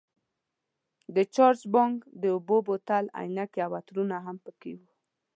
د چارج بانک، د اوبو بوتل، عینکې او عطرونه هم پکې وو.